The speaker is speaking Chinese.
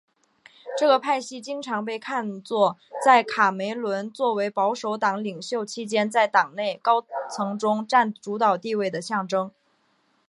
这个派系经常被看作在卡梅伦作为保守党领袖期间在党内高层中占主导地位的象征。